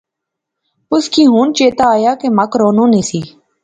اُس کی ہن چیتا آیا کہ مک رانو نی سی